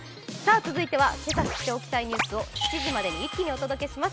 続いては今朝知っておきたいニュースを７時までに一気にお届けします